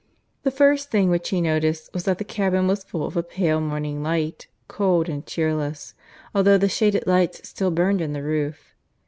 The first thing which he noticed was that the cabin was full of a pale morning light, cold and cheerless, although the shaded lights still burned in the roof.